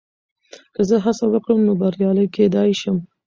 که زه هڅه وکړم، نو بریالی کېدای شم.